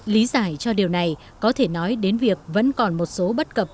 lý giải cho điều này có thể nói đến việc vẫn còn một số bất cập